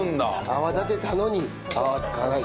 泡立てたのに泡は使わない。